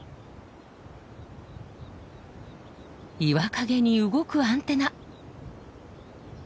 岩陰に動くアンテナ。